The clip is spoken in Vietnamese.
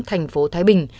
thành phố thái bình